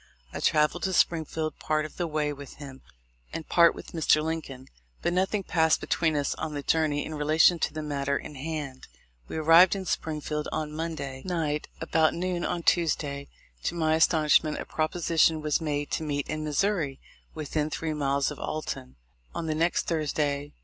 I travelled to Springfield part of the way with him, and part with Mr. Lincoln; but nothing passed between us on the journey in relation to the matter in hand. We arrived in Springfield on Monday 246 THE L1FE 0F LINCOLN. night. About noon on Tuesday,, to my astonish ment, a proposition was made to meet in Missouri, within three miles of Alton, on the next Thursday!